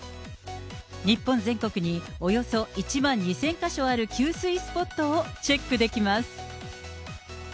日本全国におよそ１万２０００か所ある給水スポットをチェックできます。